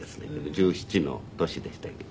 １７の年でしたけど。